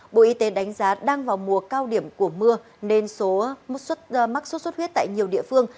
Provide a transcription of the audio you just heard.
bộ y tế đánh giá đang vào mùa cao điểm của mưa nên số mắc sốt xuất huyết tại nhiều địa phương